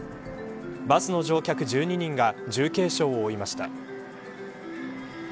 バスの乗客１２人が重軽傷を負いました。